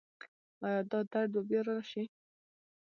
ایا دا درد به بیا راشي؟